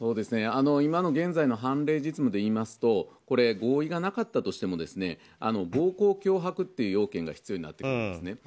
今の現在の判例実務で言いますとこれ、合意がなかったとしても暴行脅迫っていう要件が必要になってくるんです。